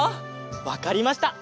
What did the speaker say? わかりました。